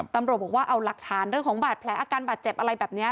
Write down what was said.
ตำรวจบอกว่าเอาหลักฐานเรื่องของบาดแผลอาการบาดเจ็บอะไรแบบนี้